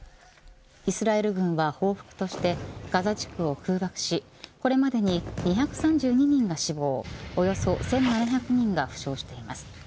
イスラエル軍は報復としてガザ地区を空爆しこれまでに２３２人が死亡およそ１７００人が負傷しています。